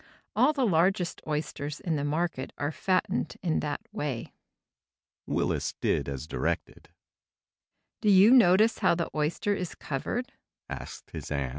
All the largest oysters in the market are fattened in that way." Willis did as directed. "Do you notice how the oyster is covered?"